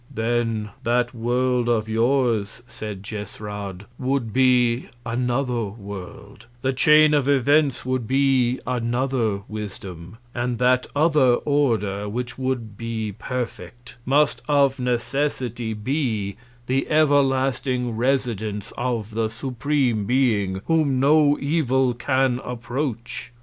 Then, that World of yours, said Jesrad, would be another World; the Chain of Events would be another Wisdom; and that other Order, which would be perfect, must of Necessity be the everlasting Residence of the supreme Being, whom no Evil can approach.